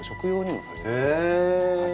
へえ！